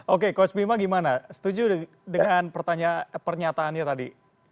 oke coach bima gimana setuju dengan pernyataannya tadi